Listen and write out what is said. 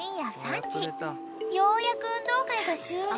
［ようやく運動会が終了］